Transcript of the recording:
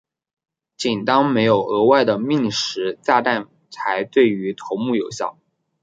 仅当没有额外的命时炸弹才对于头目有效。